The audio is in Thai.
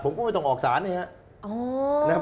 ผมก็ไม่ต้องออกสารนะครับ